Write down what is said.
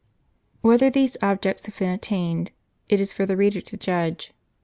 Whether these objects have been attained, it is for the reader to judge.